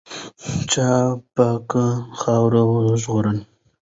چا پاکه خاوره وژغورله؟